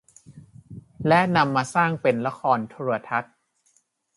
และนำมาสร้างเป็นละครโทรทัศน์